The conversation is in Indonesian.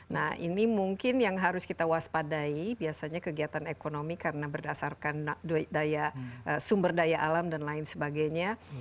nah ini mungkin yang harus kita waspadai biasanya kegiatan ekonomi karena berdasarkan sumber daya alam dan lain sebagainya